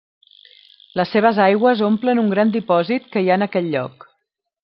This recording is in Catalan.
Les seves aigües omplen un gran dipòsit que hi ha en aquell lloc.